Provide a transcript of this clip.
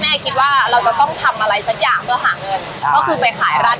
คิดว่าเราจะต้องทำอะไรสักอย่างเพื่อหาเงินใช่ก็คือไปขายร้าน